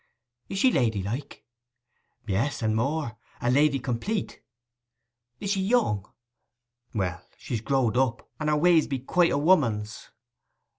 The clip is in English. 'Is she ladylike?' 'Yes; and more. A lady complete.' 'Is she young?' 'Well, she's growed up, and her ways be quite a woman's.